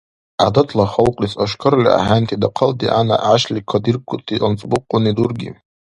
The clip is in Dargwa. ГӀядатла халкьлис ашкарли ахӀенти дахъал дигӀяна-гӀяшли кадиркути анцӀбукьуни дурги?